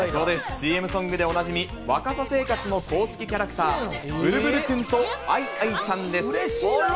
ＣＭソングでおなじみ、わかさ生活の公式キャラクター・ブルブルくんとアイアイちゃんです。